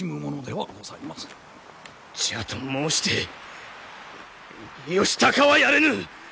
じゃと申して義高はやれぬ！